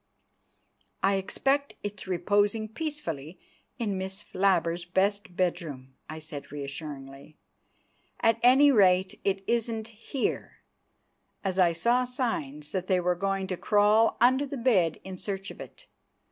"I expect it's reposing peacefully in Miss Flabbers' best bedroom," I said assuringly. "At any rate it isn't here!" as I saw signs that they were going to crawl under the bed in search of it.